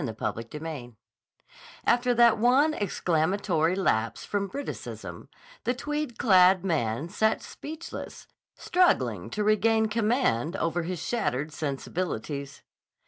CHAPTER XII AFTER that one exclamatory lapse from Briticism, the tweed clad man sat speechless, struggling to regain command over his shattered sensibilities.